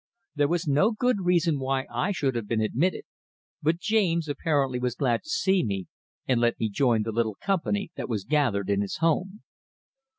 There was no good reason why I should have been admitted, but James apparently was glad to see me, and let me join the little company that was gathered in his home.